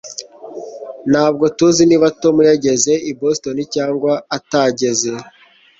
Ntabwo tuzi niba Tom yageze i Boston cyangwa atageze